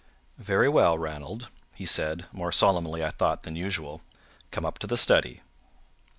"Very well, Ranald," he said, more solemnly, I thought, than usual; "come up to the study."